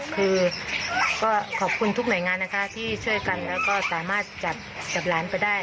คือก็ขอบคุณทุกหน่วยงานนะคะที่ช่วยกันแล้วก็สามารถจับหลานไปได้